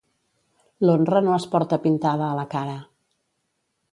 L'honra no es porta pintada a la cara.